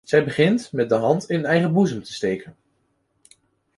Zij begint met de hand in eigen boezem te steken.